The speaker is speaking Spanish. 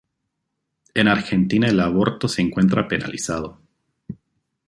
En Argentina el aborto se encuentra penalizado.